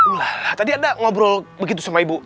ulah lah tadi ada ngobrol begitu sama ibu